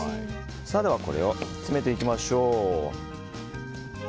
では、これを詰めていきましょう。